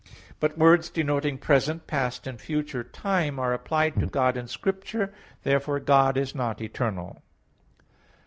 But words denoting present, past and future time are applied to God in Scripture. Therefore God is not eternal.